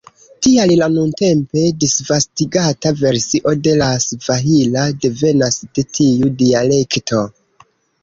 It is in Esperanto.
Tial la nuntempe disvastigata versio de la svahila devenas de tiu dialekto.